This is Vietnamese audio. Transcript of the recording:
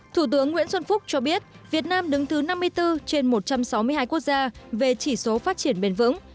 thủ tướng nguyễn xuân phúc cho biết việt nam đứng thứ năm mươi bốn trên một trăm sáu mươi hai quốc gia về chỉ số phát triển bền vững